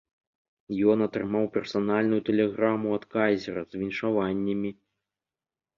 Ён атрымаў персанальную тэлеграму ад кайзера з віншаваннямі.